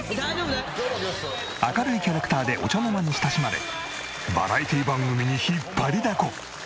明るいキャラクターでお茶の間に親しまれバラエティ番組に引っ張りだこ！